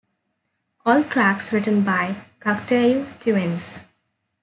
All tracks written by Cocteau Twins.